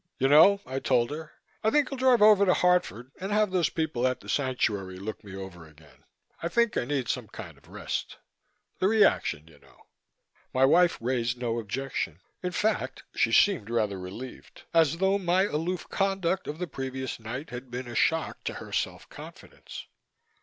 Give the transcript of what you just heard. "You know," I told her, "I think I'll drive over to Hartford and have those people at the Sanctuary look me over again. I think I need some kind of rest the reaction, you know." My wife raised no objection. In fact, she seemed rather relieved as though my aloof conduct of the previous night had been a shock to her self confidence.